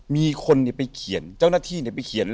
มีคนไปเขียนเจ้าหน้าที่ไปเขียน